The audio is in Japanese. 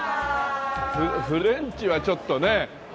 フレンチはちょっとね